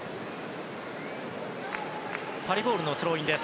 パリボールのスローイン。